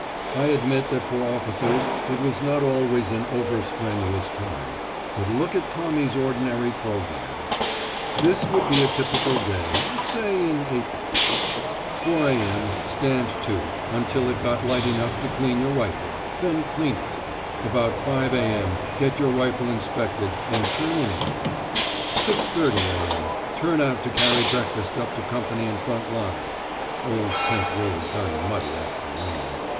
I admit that for officers it was not always an over strenuous time; but look at Tommy's ordinary programme: This would be a typical day, say, in April. 4 a.m. Stand to, until it got light enough to clean your rifle; then clean it. About 5 a.m. Get your rifle inspected, and turn in again. 6.30 a.m. Turn out to carry breakfast up to company in front line. (Old Kent Road very muddy after rain.